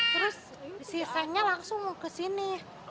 terus sisanya langsung ke sini